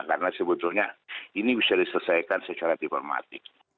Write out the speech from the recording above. karena sebetulnya ini bisa diselesaikan secara diplomatik